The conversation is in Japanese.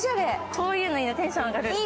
こういうのテンション上がる。